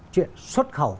chuyện xuất khẩu